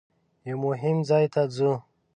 یوه مهم ځای ته ځو.